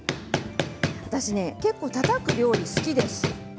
私ね、結構たたく料理が好きなんです。